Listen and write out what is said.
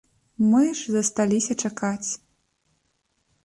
Мы ж засталіся чакаць.